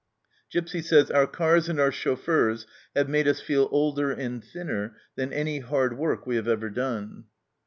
Gipsy says, " Our cars and our chauffeurs have made us feel older and thinner than any hard work we have ever done."